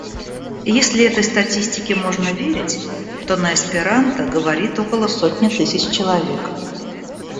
Если этой статистике можно верить, то на эсперанто говорит около сотни тысяч человек.